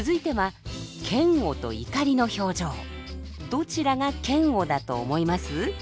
どちらが嫌悪だと思います？